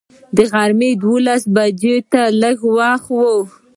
د غرمې دولس بجو ته لږ وخت و.